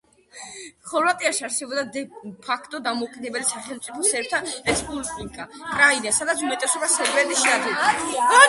ხორვატიაში არსებობდა დე ფაქტო დამოუკიდებელი სახელმწიფო სერბთა რესპუბლიკა კრაინა სადაც უმეტესობას სერბები შეადგენდნენ.